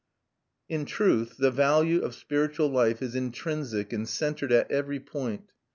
In truth the value of spiritual life is intrinsic and centred at every point.